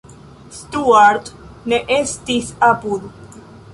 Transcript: Stuart ne estis apud.